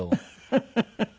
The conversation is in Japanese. フフフフ！